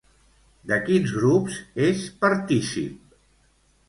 De quins grups és partícip?